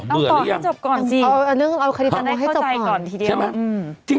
เบื่อหรือยังเอาความเข้าใจก่อนทีเดียว